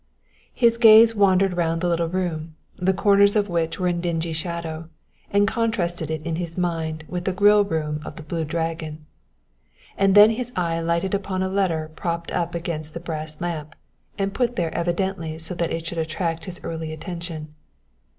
His gaze wandered round the little room, the corners of which were in a dingy shadow, and contrasted it in his mind with the grill room of the Blue Dragon. And then his eye lighted upon a letter propped up against the brass lamp and put there evidently so that it should attract his early attention.